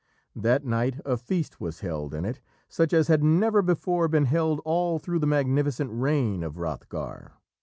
That night a feast was held in it, such as had never before been held all through the magnificent reign of Hrothgar.